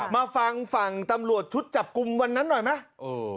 มาฟังฝั่งตำรวจชุดจับกลุ่มวันนั้นหน่อยไหม